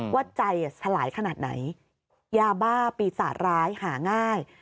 ว่าใจสลายขนาดไหนยาบ้าปีศาจร้ายหาง่าย